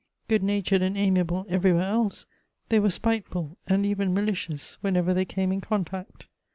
Good natured and amiable everywhere else, they were spiteful and even malicious whenever they came in contact.